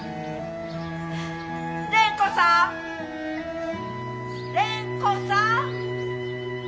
・蓮子さん！蓮子さん！